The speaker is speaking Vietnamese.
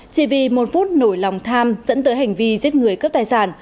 chỉ vì một phút nổi lòng tham dẫn tới hành vi giết người cướp tài sản